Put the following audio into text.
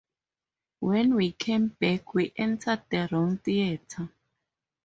When we came back we entered the wrong theatre.